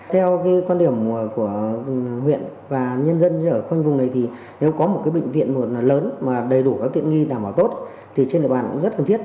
theo quan điểm của huyện và nhân dân ở khoanh vùng này nếu có một bệnh viện lớn đầy đủ tiện nghi đảm bảo tốt trên địa bàn cũng rất cần thiết